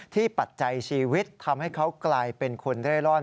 ปัจจัยชีวิตทำให้เขากลายเป็นคนเร่ร่อน